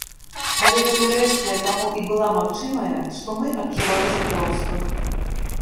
Але гэтая рэзкая таму і была магчымая, што мы адчувалі сяброўства.